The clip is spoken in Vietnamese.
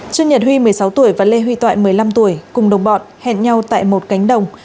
trương nhật huy một mươi sáu tuổi và lê huy toại một mươi năm tuổi cùng đồng bọn hẹn nhau tại một cánh đồng